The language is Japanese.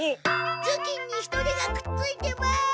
頭巾にヒトデがくっついてます！